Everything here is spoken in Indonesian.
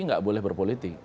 gak boleh berpolitik